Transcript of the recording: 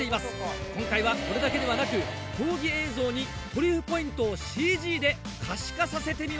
今回はこれだけではなく競技映像にトリュフポイントをＣＧで可視化させてみました。